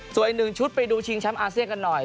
ส่วนอีกหนึ่งชุดไปดูชิงแชมป์อาเซียนกันหน่อย